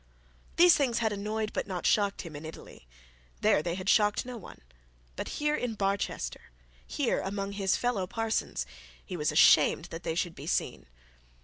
These things had annoyed but not shocked him in Italy. There they had shocked no one; but here in Barchester, here among his fellow parsons, he was ashamed that they should be seen.